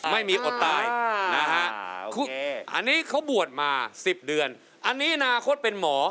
ไม่มีอดตายนะฮะอันนี้เขาบวชมา๑๐เดือนอันนี้อนาคตเป็นหมอ